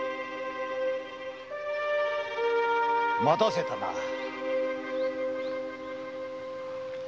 待たせたな。